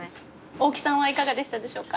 大木さんはいかがでしたでしょうか？